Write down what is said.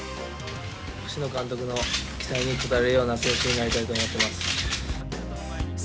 星野監督の期待に応えられるような選手になりたいと思ってます。